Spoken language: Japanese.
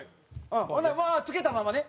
ほんならもうつけたままね。